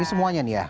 ini semuanya nih ya